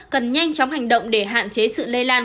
cần nhanh chóng hành động để hạn chế sự lây lan